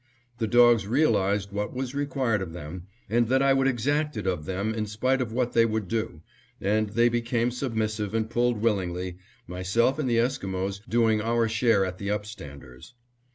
The dogs realized what was required of them, and that I would exact it of them in spite of what they would do, and they became submissive and pulled willingly, myself and the Esquimos doing our share at the upstanders.